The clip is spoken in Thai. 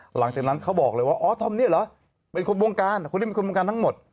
หลังจากนั้นเขาบอกเลยว่าอ๋อธอมเนี่ยเหรอเป็นคนวงการคนนี้เป็นคนวงการทั้งหมด